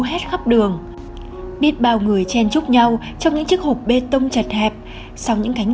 hết khắp đường biết bao người chen chúc nhau trong những chiếc hộp bê tông chật hẹp sau những cánh